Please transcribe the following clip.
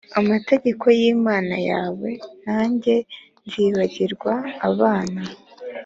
amategeko y imana yawe nanjye nzibagirwa abana